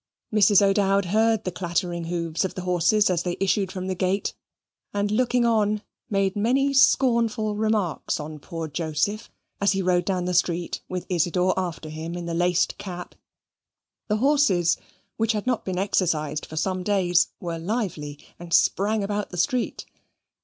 Mrs. O'Dowd heard the clattering hoofs of the horses as they issued from the gate; and looking on, made many scornful remarks on poor Joseph as he rode down the street with Isidor after him in the laced cap. The horses, which had not been exercised for some days, were lively, and sprang about the street.